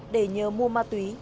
để nhớ mua ma túy